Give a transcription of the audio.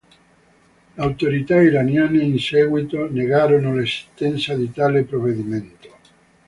Le autorità iraniane in seguito negarono l'esistenza di tale provvedimento.